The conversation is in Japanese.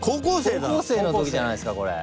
高校生の時じゃないですかこれ。